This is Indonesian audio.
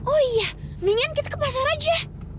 oh iya mendingan kita ke pasar aja